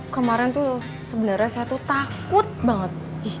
kemaren tuh sebenernya saya tuh takut banget